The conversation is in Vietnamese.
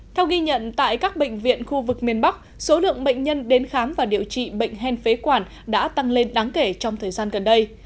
theo ghi nhận tại các bệnh viện khu vực miền bắc số lượng bệnh nhân đến khám và điều trị bệnh hen phế quản đã tăng lên đáng kể trong thời gian gần đây